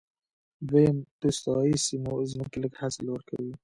دویم، د استوایي سیمو ځمکې لږ حاصل ورکوي.